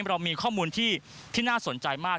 เรามีข้อมูลที่น่าสนใจมาก